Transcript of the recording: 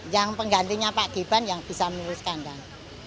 yang penggantinya pak gibran yang bisa menurutkan dan